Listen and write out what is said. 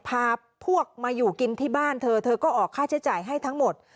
พาพวกมาอยู่กินที่บ้านเธอเธอก็ออกค่าใช้จ่ายให้ทั้งหมด